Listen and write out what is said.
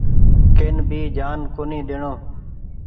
ڪين ڀي جآن ڪونيٚ ۮيڻو۔